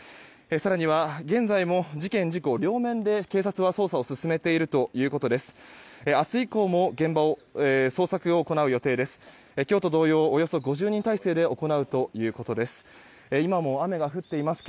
更には、現在も事件・事故両面で警察は捜査を進めているということです。